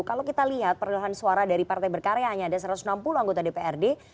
kalau kita lihat perlohan suara dari partai berkarya hanya ada satu ratus enam puluh anggota dprd